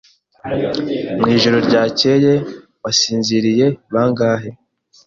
Mwijoro ryakeye wasinziriye bangahe?